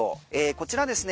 こちらですね